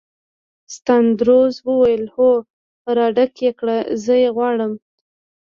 ساندرز وویل: هو، راډک یې کړه، زه یې غواړم.